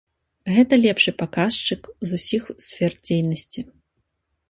Гэта лепшы паказчык з усіх сфер дзейнасці.